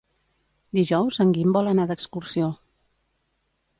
Dijous en Guim vol anar d'excursió.